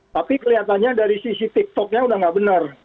tapi kelihatannya dari sisi tik toknya udah nggak benar